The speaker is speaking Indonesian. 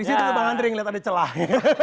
di situ bang andri yang lihat ada celah